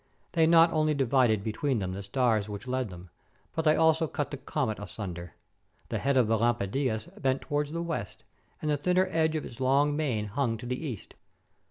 They not only divided between them the stars which led them, but they also cut the comet asunder! The head of the Lampadias bent to wards the west, and the thinner end of its long mane hung to the east.